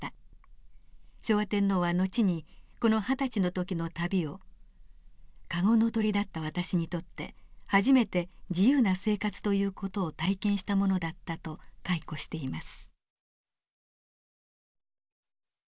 昭和天皇は後にこの二十歳の時の旅を「籠の鳥だった私にとって初めて自由な生活という事を体験したものだった」と回顧しています。